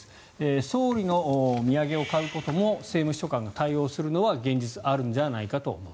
総理の土産を買うことも政務秘書官が対応するのは現実、あるんじゃないかと思う。